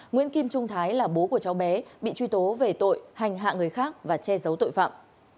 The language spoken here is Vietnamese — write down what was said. nguyễn kim trung thái là bố của cháu bé bị truy tố về tội hành hạ người khác và che giấu tội phạm